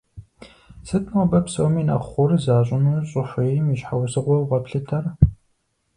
Сыт нобэ псоми нэхъ гъур защӏыну щӏыхуейм и щхьэусыгъуэу къэплъытэр?